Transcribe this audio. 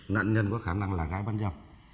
nạn nhân có khả năng là gái băng dập